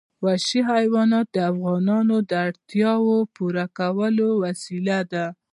وحشي حیوانات د افغانانو د اړتیاوو د پوره کولو وسیله ده.